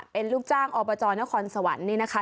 เป็นลูกจ้างอบจนครสวรรค์นี่นะคะ